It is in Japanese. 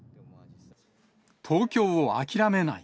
東京を諦めない。